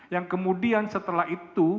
yang kemudian setelah itu